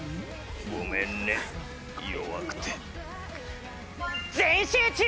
ごめんね弱くて全集中！